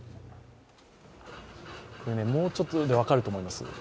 もうちょっとで分かると思います。